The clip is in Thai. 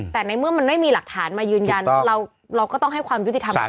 แต่ในเมื่อมันไม่มีหลักฐานมายืนยันเราก็ต้องให้ความยุติธรรม